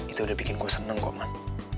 itu udah bikin gue seneng kok man